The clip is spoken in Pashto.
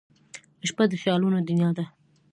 • شپه د خیالونو دنیا ده.